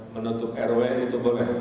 menutup rw itu boleh